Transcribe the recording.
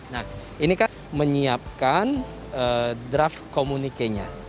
nah ini kan menyiapkan draft komunikenya